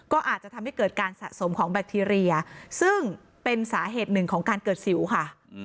ก็อาจจะทำให้เกิดการสะสมของแบคทีเรียซึ่งเป็นสาเหตุหนึ่งของการเกิดสิวค่ะ